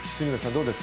どうですか？